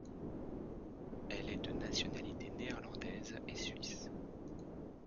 Elle est de nationalités néerlandaise et suisse.